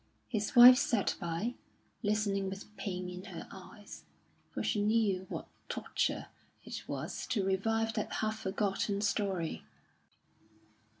His wife sat by, listening with pain in her eyes, for she knew what torture it was to revive that half forgotten story.